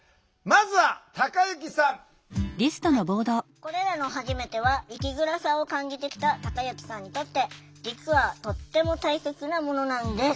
これらのはじめては生きづらさを感じてきたたかゆきさんにとって実はとっても大切なものなんです。